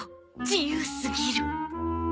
自由すぎる。